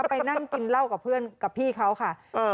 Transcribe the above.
ไปนั่งกินเหล้ากับเพื่อนกับพี่เขาค่ะ